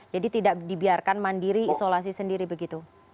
jadi tidak dibiarkan mandiri isolasi sendiri